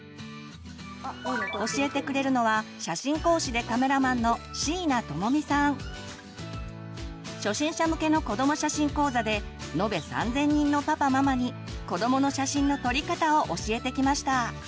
教えてくれるのは初心者向けの子ども写真講座で延べ３，０００人のパパママに子どもの写真の撮り方を教えてきました。